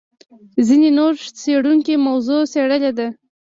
ځینې نور څېړونکي موضوع څېړلې ده.